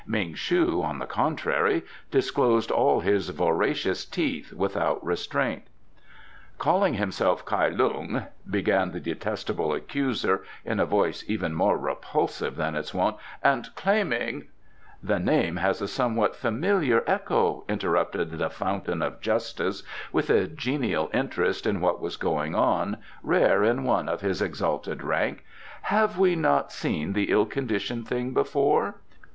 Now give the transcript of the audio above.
Ming shu, on the contrary, disclosed all his voracious teeth without restraint. "Calling himself Kai Lung," began the detestable accuser, in a voice even more repulsive than its wont, "and claiming " "The name has a somewhat familiar echo," interrupted the Fountain of Justice, with a genial interest in what was going on, rare in one of his exalted rank. "Have we not seen the ill conditioned thing before?"